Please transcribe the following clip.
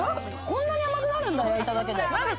こんなに甘くなるんだ、焼いただけで。